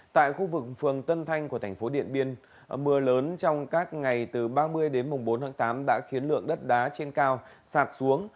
tại khu vực phường tân thanh của thành phố điện biên mưa lớn trong các ngày từ ba mươi đến bốn tháng tám đã khiến lượng đất đá trên cao sạt xuống